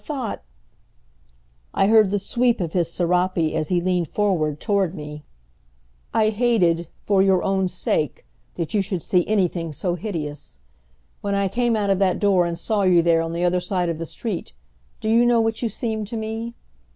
I thought " I heard the sweep of his serape as he leaned forward toward me. "I hated, for your own sake, that you should see anything so hideous. When I came out of that door and saw you there on the other side of the street, do you know what you seemed to me?